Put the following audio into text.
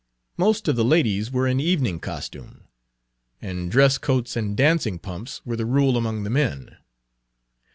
Most of the ladies were in evening costume, and dress coats and dancing pumps were the rule among the men.